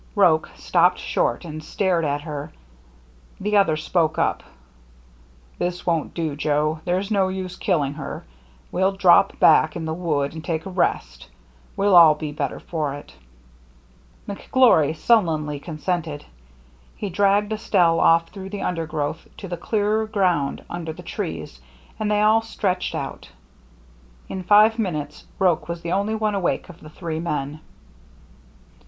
Roche stopped short and stared at her. The other spoke up :" This won't do, Joe. There's no use killing her. We'll drop back in the woods and take a rest. We'll all be better for it." VAN DEELEN'S BRIDGE 299 McGlory sullenly consented. He dragged Estelle off through the undergrowth to the clearer ground under the trees, and they all stretched out. In five minutes Roche was the only one awake of the three men.